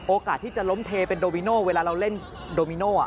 โอกาสที่จะล้มเทเป็นโดมิโน่เวลาเราเล่นโดมิโน่